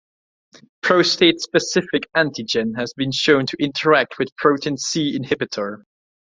Prostate-specific antigen has been shown to interact with protein C inhibitor.